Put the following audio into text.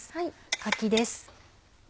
柿です。